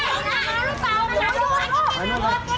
นี่นี่นี่นี่นี่นี่นี่นี่นี่